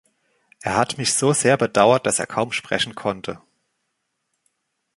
Er hat mich so sehr bedauert, dass er kaum sprechen konnte.